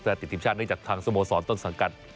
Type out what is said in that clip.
แต่ติดทีมชาติเนื่องจากทางสโมสรต้นสังกัด